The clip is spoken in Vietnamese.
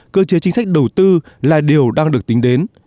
cơ chế chính sách đầu tư là điều đang được tính đến